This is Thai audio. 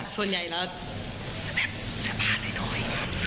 ส่วนใหญ่จะแบบเสื้อผ้าหน่อย